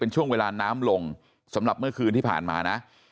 ช่วงเวลาน้ำลงสำหรับเมื่อคืนที่ผ่านมานะ